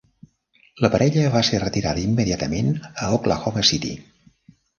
La parella va ser retirada immediatament a Oklahoma City.